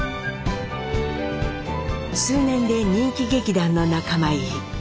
数年で人気劇団の仲間入り。